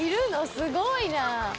すごいなあ。